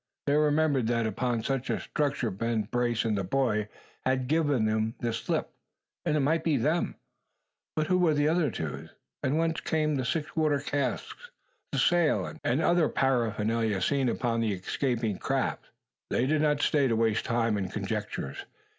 They remembered that upon such a structure Ben Brace and the boy had given them the slip; and it might be them. But who were the two others? And whence came the six water casks, the sail, and other paraphernalia seen upon the escaping craft? They did not stay to waste time in conjectures.